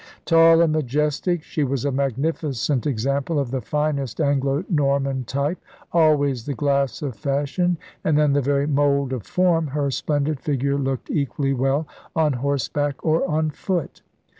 Tall and majestic, she was a magnificent example of the finest Anglo Norman type. Always *the glass of fashion' and then the very 'mould of form' her splendid figure looked equally well on horseback or on foot.